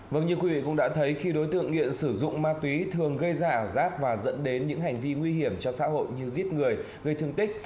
vâng như quý vị cũng đã thấy khi đối tượng nghiện sử dụng ma túy thường gây ra ảo giác và dẫn đến những hành vi nguy hiểm cho xã hội như giết người gây thương tích